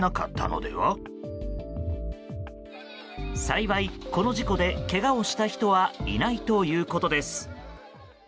幸い、この事故でけがをした人はいないということです。